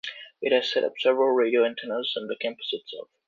It has set up several radio antennas in the campus itself.